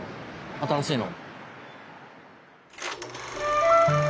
新しいの。